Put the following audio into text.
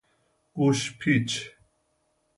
گوش پیچ